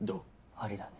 ありだね。